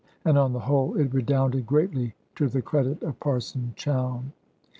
And on the whole it redounded greatly to the credit of Parson Chowne.